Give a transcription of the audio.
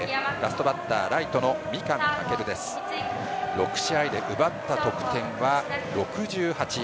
６試合で奪った得点は６８。